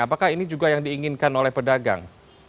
apakah ini juga yang diinginkan oleh pedagang